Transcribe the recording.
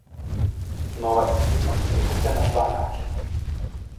Новац ће бити прикупљан на два начина.